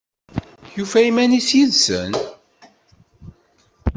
Yufa iman-is yid-sen?